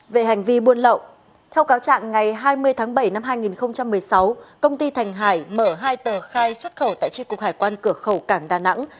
về hành vi buôn lậu theo cáo trạng ngày hai mươi tháng bảy năm hai nghìn một mươi sáu công ty thành hải mở hai tờ khai xuất khẩu tại tri cục hải quan cửa khẩu cảng đà nẵng